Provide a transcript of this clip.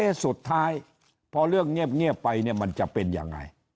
สุดท้ายพอเรื่องเงียบไปเนี่ยมันจะเป็นยังไง